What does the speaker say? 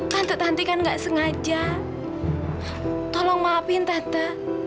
tante tanti kan gak sengaja tolong maafin tante